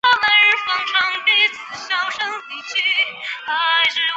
担任河南省第十一届人大常委会副主任。